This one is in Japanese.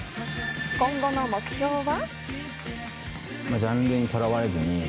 今後の目標は？